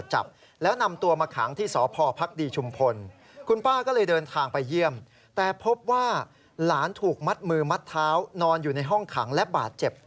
หลานถูกมัดมือมัดเท้านอนอยู่ในห้องขังและบาดเจ็บ